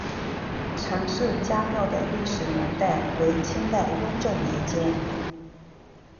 陈氏家庙的历史年代为清代雍正年间。